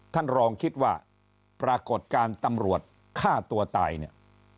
ท่านรองคิดว่าปรากฏการณ์ตำรวจฆ่าตัวตายเนี่ย